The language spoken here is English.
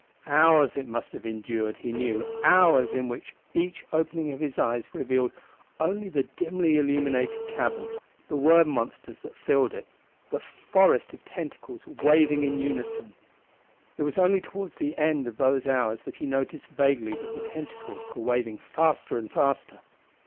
Hours it must have endured, he knew, hours in which each opening of his eyes revealed only the dimly illuminated cavern, the worm monsters that filled it, the forest of tentacles waving in unison. It was only toward the end of those hours that he noticed vaguely that the tentacles were waving faster and faster.